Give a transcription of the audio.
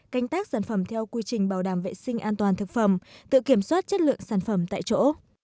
canh tác sản phẩm theo quy trình bảo đảm vệ sinh an toàn thực phẩm tự kiểm soát chất lượng sản phẩm tại chỗ